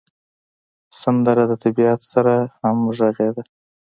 سندره د طبیعت سره همغږې ده